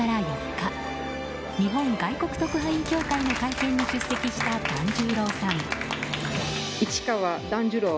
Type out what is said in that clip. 日本外国特派員協会の会見に出席した團十郎さん。